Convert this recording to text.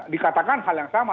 dikatakan hal yang sama